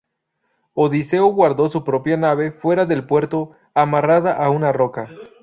Odiseo guardó su propia nave fuera del puerto, amarrada a una roca.